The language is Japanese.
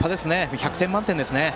１００点満点ですね。